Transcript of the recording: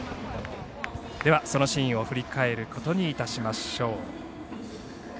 そのシーンを振り返ることにいたしましょう。